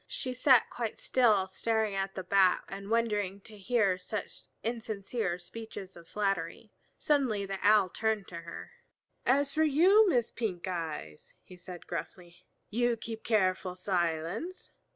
She sat quite still staring at the Bat and wondering to hear such insincere speeches of flattery. Suddenly the Owl turned to her. "As for you, Miss Pink eyes," he said gruffly, "you keep careful silence.